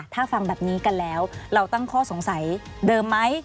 ถ้าฟังแบบนี้กันแล้วเราตั้งข้อสงสัยเดิมไหม